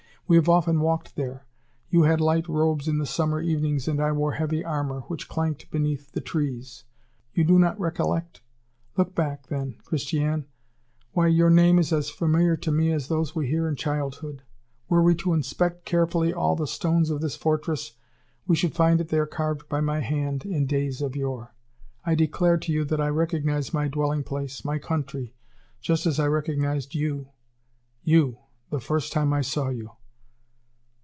We have often walked there. You had light robes in the summer evenings, and I wore heavy armor, which clanked beneath the trees. You do not recollect? Look back, then, Christiane! Why, your name is as familiar to me as those we hear in childhood! Were we to inspect carefully all the stones of this fortress, we should find it there carved by my hand in days of yore! I declare to you that I recognize my dwelling place, my country, just as I recognized you, you, the first time I saw you!"